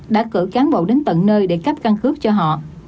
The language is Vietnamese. đã cử cán bộ đến tận nơi để cắp căn cứ cho họ